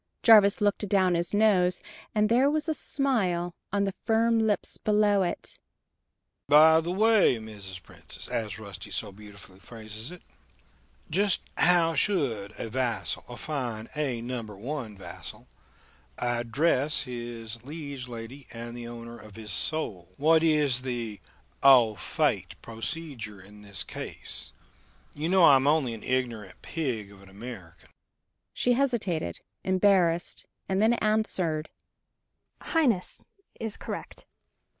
Jarvis looked adown his nose, and there was a smile on the firm lips below it! "By the way, Mrs. Princess as Rusty so beautifully phrases it just how should a vassal, a fine A number One vassal, address his liege lady and the owner of his soul? What is the au fait procedure in this case? You know I am only an ignorant pig of an American!"